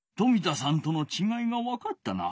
冨田さんとのちがいがわかったな！